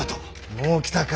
もう来たか。